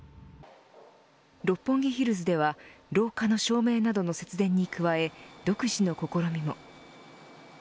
六本木ヒルズでは廊下の照明などの節電に加え独自の試みも。